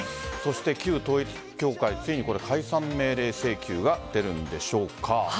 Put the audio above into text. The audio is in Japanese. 旧統一教会、ついに解散命令請求が出るんでしょうか。